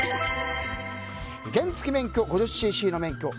原付き免許、５０ｃｃの免許